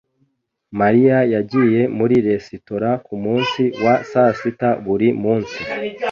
Mariya yagiye muri resitora kumunsi wa sasita buri munsi.